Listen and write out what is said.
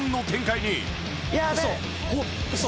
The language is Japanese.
嘘！